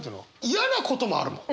嫌なこともあるもん！